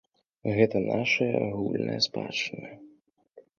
Гэта нашая агульная спадчына.